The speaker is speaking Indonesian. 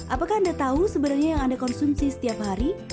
apakah anda tahu sebenarnya yang anda konsumsi setiap hari